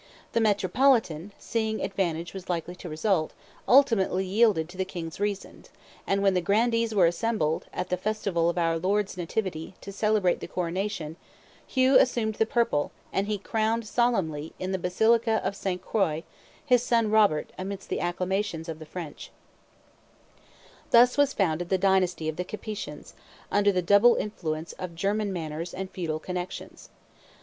... The metropolitan, seeing advantage was likely to result, ultimately yielded to the king's reasons; and when the grandees were assembled, at the festival of our Lord's nativity, to celebrate the coronation, Hugh assumed the purple, and he crowned solemnly, in the basilica of Sainte Croix, his son Robert, amidst the acclamations of the French." [Illustration: Hugh Capet elected King 300] Thus was founded the dynasty of the Capetians, under the double influence of German manners and feudal connections.